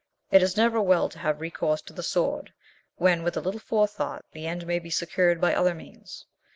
It is never well to have recourse to the sword, when, with a little forethought, the end may be secured by other means.